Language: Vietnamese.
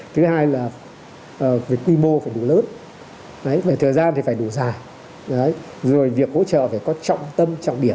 thứ hai là về quy mô phải đủ lớn về thời gian thì phải đủ dài rồi việc hỗ trợ phải có trọng tâm trọng điểm